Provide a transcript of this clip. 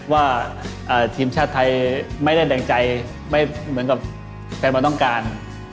ว่าทีมชาติไทยไม่ได้แรงใจไม่เหมือนกับแฟนบอลต้องการ